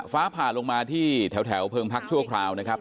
ฟ้าผ่าลงมาที่แถวเพิงพักชั่วคราวนะครับ